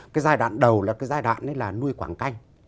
cái giai đoạn đầu là cái giai đoạn nuôi quảng canh